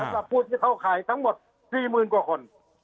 แล้วกับผู้ที่เข้าข่ายทั้งหมดสี่หมื่นกว่าคน